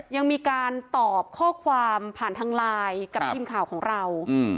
ยังมีการตอบข้อความผ่านทางไลน์กับทีมข่าวของเรา